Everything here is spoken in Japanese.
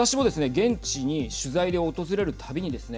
現地に取材で訪れるたびにですね。